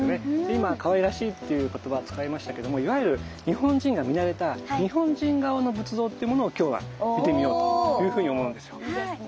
今かわいらしいっていう言葉を使いましたけどもいわゆる日本人が見慣れた日本人顔の仏像っていうものを今日は見てみようというふうに思うんですよ。